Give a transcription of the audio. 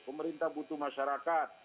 pemerintah butuh masyarakat